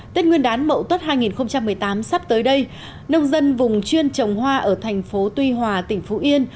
tết nguyên đán mậu tuất hai nghìn một mươi tám sắp tới đây nông dân vùng chuyên trồng hoa ở thành phố tuy hòa tỉnh phú yên